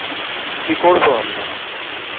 কী করবো আমরা?